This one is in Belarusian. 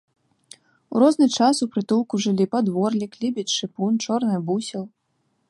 У розны час у прытулку жылі падворлік, лебедзь-шыпун, чорны бусел.